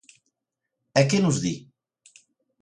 ¿E que nos di?